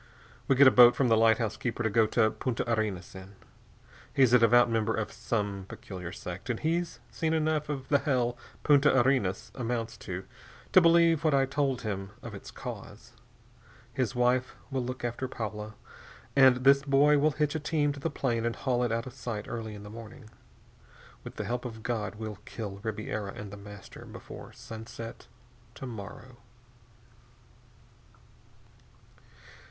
"We get a boat from the lighthouse keeper to go to Punta Arenas in. He's a devout member of some peculiar sect, and he's seen enough of the hell Punta Arenas amounts to, to believe what I told him of its cause. His wife will look after Paula, and this boy will hitch a team to the plane and haul it out of sight early in the morning. With the help of God, we'll kill Ribiera and The Master before sunset to morrow."